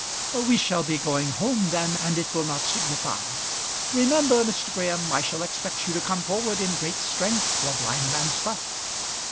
"We shall be going home then and it will not signify. Remember, Mr. Graham, I shall expect you to come forward in great strength for blindman's buff."